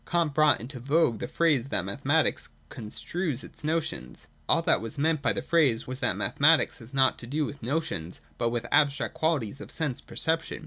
Kant brought into vogue the phrase that mathematics 'construes' its notions. All that was meant by the phrase was that mathematics has not to do with notions, but with abstract qualities of sense perceptions.